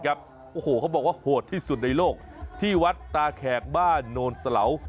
โอ้โหเขาบอกว่าโหดที่สุดในโลกที่วัดตาแขกบ้านโนนสะเหลา